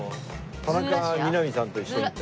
田中みな実さんと一緒に行った。